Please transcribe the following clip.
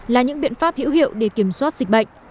là những biện pháp hữu hiệu để kiểm soát dịch bệnh